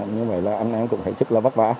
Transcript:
như vậy là anh em cũng thấy rất là vất vả